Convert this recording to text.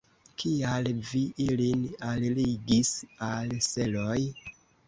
Kial vi ilin alligis al seloj?